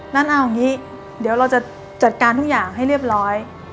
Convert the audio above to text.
งั้นเอาอย่างนี้เดี๋ยวเราจะจัดการทุกอย่างให้เรียบร้อย